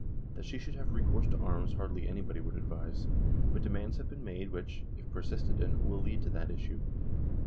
That she should have recourse to arms hardly anybody would advise ; but demands have been made which, if persisted in, will lead to that issue